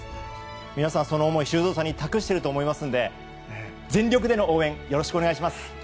皆さんその思い修造さんに託していると思いますので全力での応援よろしくお願いします。